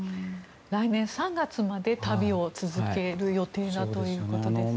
来年３月まで旅を続ける予定だということです。